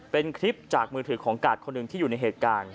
เป็นคลิปจากมือถือของกาดคนหนึ่งที่อยู่ในเหตุการณ์